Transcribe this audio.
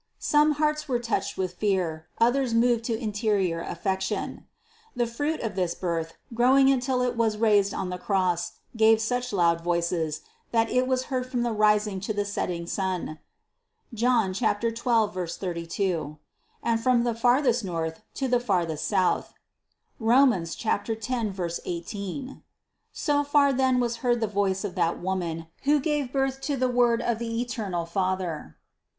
Some hearts were touched with fear, others moved to interior affection. The Fruit of this birth, growing until it was raised on the Cross, gave such loud voices, that It was heard from the rising to the setting sun (John 12, 32), and from farthest north to farthest south (Rom. 10, 18). So far then was heard the voice of that Woman who gave birth to the Word of the eternal Father.